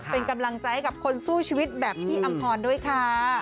เป็นกำลังใจให้กับคนสู้ชีวิตแบบพี่อำพรด้วยค่ะ